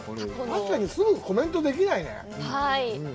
確かに、すぐコメントできないね。